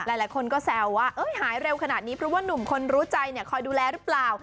หลายคนก็แซวว่าหายเร็วขนาดนี้เพราะว่าหนุ่มคนรู้ใจคอยดูแลหรือเปล่า